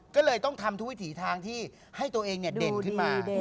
ก็เลยต้องทำทุกวิถีทางที่ให้ตัวเองเด่นขึ้นมา